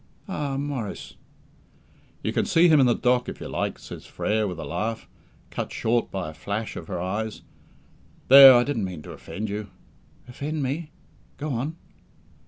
"Ah, Maurice!" "You can see him in the dock if you like," says Frere, with a laugh, cut short by a flash of her eyes. "There, I didn't mean to offend you." "Offend me! Go on."